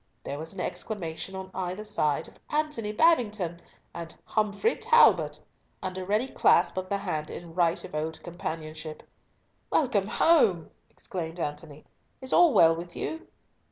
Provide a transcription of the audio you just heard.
There was an exclamation on either side of "Antony Babington!" and "Humfrey Talbot!" and a ready clasp of the hand in right of old companionship. "Welcome home!" exclaimed Antony. "Is all well with you?"